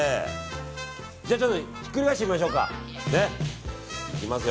ちょっとひっくり返してみましょうか。